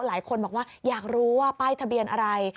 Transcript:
หลายคนบอกว่าอยากรู้ว่าป้ายทะเบียนอะไร